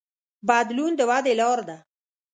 بدلون د ودې لار ده.